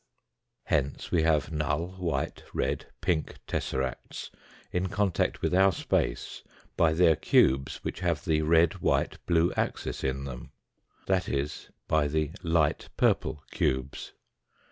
190 THE FOURTH Hence we have null, white, red, pink tesseracts in contact with our space by their cubes which have the red, white, blue axis in them, that is by the light purple cubes.